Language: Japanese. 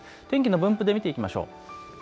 天気の分布で見ていきましょう。